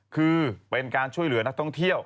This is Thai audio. คือเป็นการช่วยเหลือนักท่องเที่ยว